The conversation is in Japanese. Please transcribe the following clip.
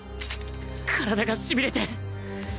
体がしびれて